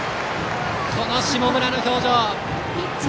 この下村の表情。